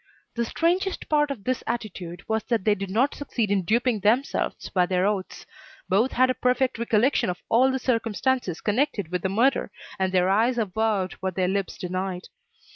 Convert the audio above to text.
The strangest part of this attitude was that they did not succeed in duping themselves by their oaths. Both had a perfect recollection of all the circumstances connected with the murder, and their eyes avowed what their lips denied.